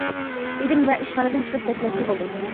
دېدىم ۋە ئىشخانىدىن چىقىپ كەتمەكچى بولدۇم.